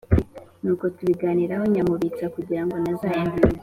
Nuko tubiganiraho nyamubitsa kugira ngo ntazayata